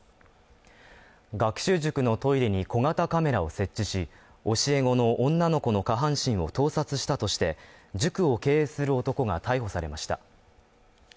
学習塾のトイレに小型カメラを設置し、教え子の女の子の下半身を盗撮したとして、塾を経営する男が逮捕されました。